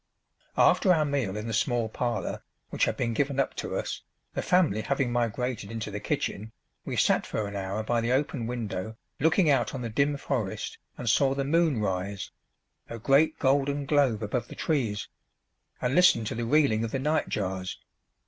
After our meal in the small parlour, which had been given up to us, the family having migrated into the kitchen, we sat for an hour by the open window looking out on the dim forest and saw the moon rise a great golden globe above the trees and listened to the reeling of the nightjars.